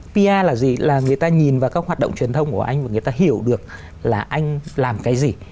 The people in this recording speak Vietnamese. pr là gì là người ta nhìn vào các hoạt động truyền thông của anh và người ta hiểu được là anh làm cái gì